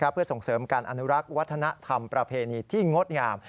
เพื่อส่งเสริมการอนุรักษ์วัฒนธรรมประเพณีที่งดงาม